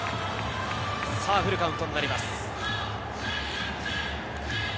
フルカウントになります。